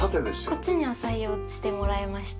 こっちには採用してもらいました。